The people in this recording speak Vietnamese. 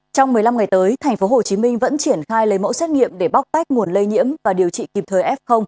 trong một mươi năm ngày tới tp hcm vẫn triển khai lấy mẫu xét nghiệm để bóc tách nguồn lây nhiễm và điều trị kịp thời f